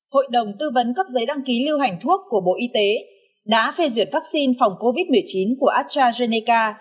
hội đồng tư vấn cấp giấy đăng ký lưu hành thuốc của bộ y tế đã phê duyệt vaccine phòng covid một mươi chín của astrazeneca